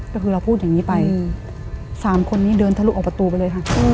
ก็คือเราพูดอย่างนี้ไป๓คนนี้เดินทะลุออกประตูไปเลยค่ะ